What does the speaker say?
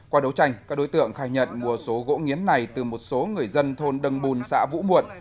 qua đấu tranh các đối tượng khai nhận mua số gỗ nghiến này từ một số người dân thôn đầng bùn xã vũ muộn